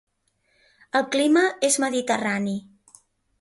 El clima és mediterrani.